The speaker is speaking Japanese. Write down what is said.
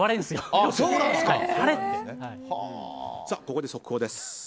ここで速報です。